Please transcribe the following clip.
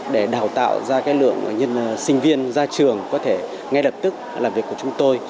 để đào tạo ra lượng nhân sinh viên ra trường có thể ngay lập tức làm việc của chúng tôi